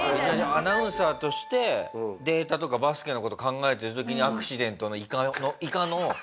アナウンサーとしてデータとかバスケの事考えてる時にアクシデントのいかの電話がかかってきて。